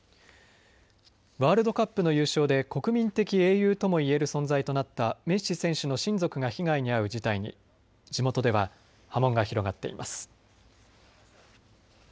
ワールドカップの優勝で国民的英雄ともいえる存在となったメッシ選手の親族が被害に遭う事態に地元では波紋が広がっています。